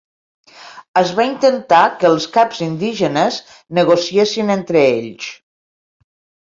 Es va intentar que els caps indígenes negociessin entre ells.